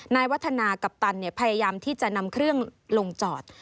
วัฒนากัปตันพยายามที่จะนำเครื่องลงจอด